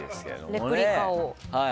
レプリカを。